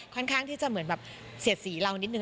ข้างที่จะเหมือนแบบเสียดสีเรานิดนึ